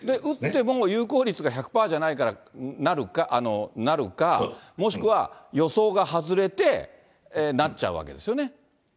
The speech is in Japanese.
打っても、有効率が１００パーじゃないから、なるか、もしくは予想が外れて、なっちゃうわけですよね？